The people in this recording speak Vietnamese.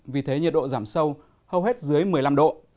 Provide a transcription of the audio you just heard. vì thế nhiệt độ giảm sâu hầu hết dưới một mươi năm độ